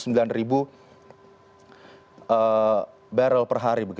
jadi ini adalah tujuh puluh sembilan barrel per hari